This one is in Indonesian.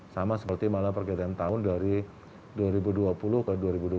sama seperti malah pergantian tahun dari dua ribu dua puluh ke dua ribu dua puluh